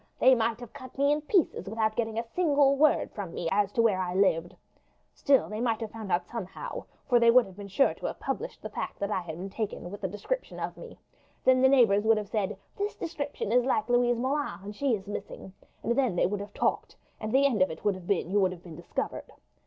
"They might have cut me in pieces without getting a single word from me as to where I lived. Still they might have found out somehow, for they would have been sure to have published the fact that I had been taken, with a description of me. Then the neighbours would have said, 'This description is like Louise Moulin, and she is missing;' and then they would have talked, and the end of it would have been you would have been discovered.